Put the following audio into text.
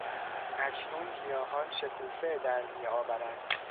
اکنون گیاهان شکوفه درمیآورند.